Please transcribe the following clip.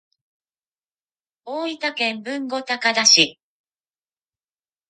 大分県豊後高田市